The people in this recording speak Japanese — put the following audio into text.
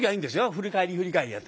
振り返り振り返りやってね。